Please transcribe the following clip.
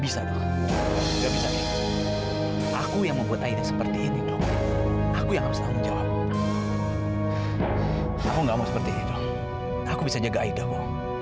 saya jelasin karena siapa